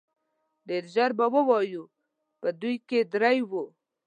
ډېر ژر به ووايي په دوی کې درې وو.